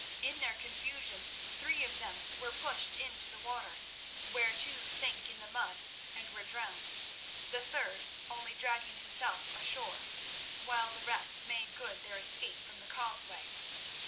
In their confusion three of them were pushed into the water, where two sank in the mud and were drowned, the third only dragging himself ashore, while the rest made good their escape from the causeway.